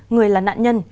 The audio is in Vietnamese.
người là nạn nhân